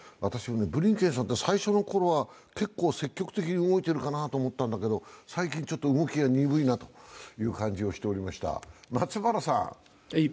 ブリンケンさんって最初のころは結構積極的に動いているかなと思ったんだけど、最近ちょっと動きが鈍いなという感じがしておりました。